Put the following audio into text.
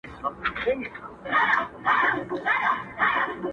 بلکې د هغه د نفسیاتي چلند